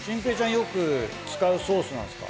よく使うソースなんですか？